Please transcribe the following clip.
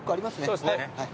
そうですね。